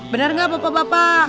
benar gak bapak bapak